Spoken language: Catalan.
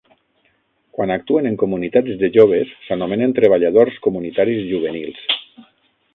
Quan actuen en comunitats de joves, s'anomenen treballadors comunitaris juvenils.